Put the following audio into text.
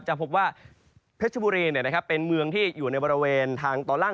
จะพบว่าเพชรบุรีเป็นเมืองที่อยู่ในบริเวณทางตอนล่าง